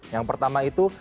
yang pertama itu